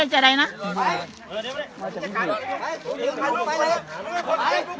พ่อหนูเป็นใคร